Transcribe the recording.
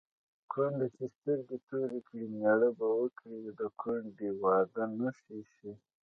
کونډه چې سترګې تورې کړي مېړه به وکړي د کونډې د واده نښه ښيي